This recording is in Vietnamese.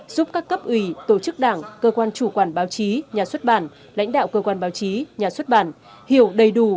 giúp các cấp ủy tổ chức đảng cơ quan chủ quản báo chí nhà xuất bản lãnh đạo cơ quan báo chí nhà xuất bản hiểu đầy đủ